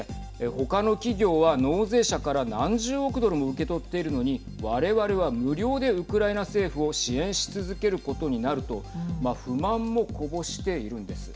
他の企業は納税者から何十億ドルも受け取っているのに我々は無料でウクライナ政府を支援し続けることになると不満もこぼしているんです。